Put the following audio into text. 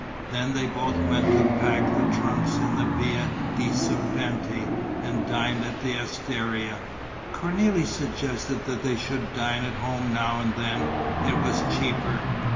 Then they both went to pack the trunks in the Via di Serpenti ... and dined at the osteria. Cornélie suggested that they should dine at home now and then: it was cheaper.